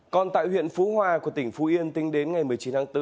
còn tại huyện phú hòa của tỉnh phú yên tính đến ngày một mươi chín tháng bốn